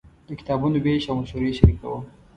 د کتابونو وېش او مشورې شریکوم.